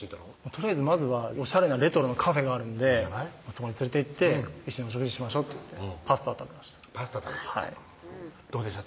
とりあえずまずはおしゃれなレトロなカフェがあるのでそこに連れていって「一緒にお食事しましょう」とパスタを食べましたパスタ食べたどうでした？